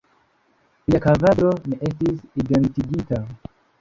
Lia kadavro ne estis identigita.